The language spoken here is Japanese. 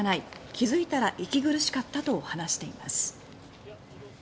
気づいたら息苦しかった」と話しています。